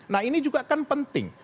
nah ini juga kan penting